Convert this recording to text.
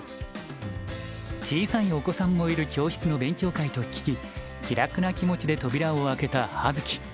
小さいお子さんもいる教室の勉強会と聞き気楽な気持ちで扉を開けた葉月。